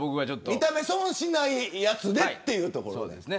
見た目、損しないやつでというところ。